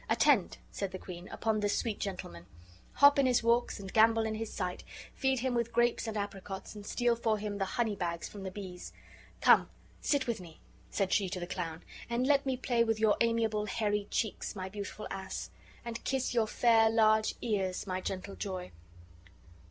"Attend," said the queen, "upon this sweet gentleman. Hop in his walks and gambol in his sight; feed him with grapes and apricots, and steal for him the honey bags from the bees. Come, sit with me," said she to the clown., "and let me play with your amiable hairy cheeks, my beautiful ass! and kiss your fair large ears, my gentle joy."